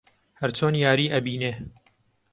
هەر چۆن یاری ئەبینێ